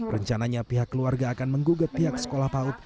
rencananya pihak keluarga akan menggugat pihak sekolah paut